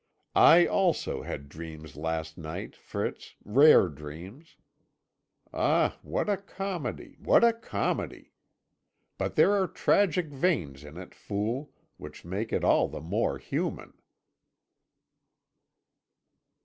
I, also, had dreams last night, Fritz, rare dreams! Ah what a comedy, what a comedy! But there are tragic veins in it, fool, which make it all the more human."